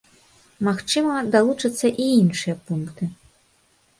Магчыма, далучацца і іншыя пункты.